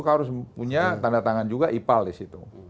kamu harus punya tanda tangan juga ipal di situ